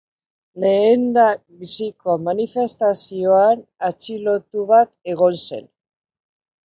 Lehendabiziko manifestazioan atxilotu bat egon zen.